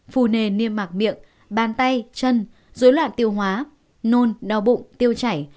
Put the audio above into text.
phù nề niêm mạc miệng bàn tay chân dối loạn tiêu hóa nôn đau bụng tiêu chảy